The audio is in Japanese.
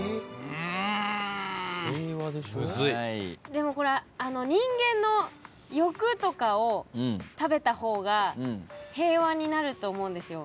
でもこれ人間の欲とかを食べた方が平和になると思うんですよ。